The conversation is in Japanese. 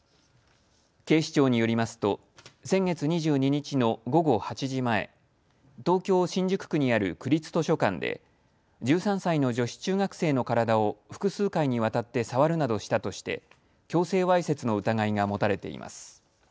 警視庁によりますと先月２２日の午後８時前、東京新宿区にある区立図書館で１３歳の女子中学生の体を複数回にわたって触るなどしたとして強制わいせつの疑いが持たれています。